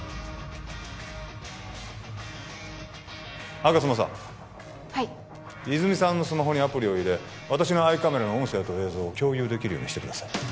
吾妻さんはい泉さんのスマホにアプリを入れ私のアイカメラの音声と映像を共有できるようにしてください